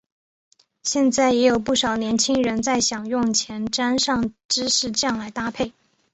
现在也有不少年轻人在享用前沾上芝士酱来搭配。